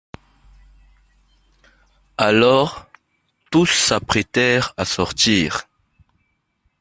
Alors tous s'apprêtèrent à sortir.